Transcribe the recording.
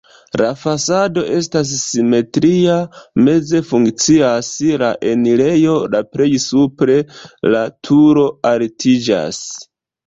La fasado estas simetria, meze funkcias la enirejo, la plej supre la turo altiĝas.